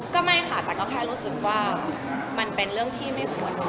ก็ไม่ค่ะแต่ก็แค่รู้สึกว่ามันเป็นเรื่องที่ไม่ควร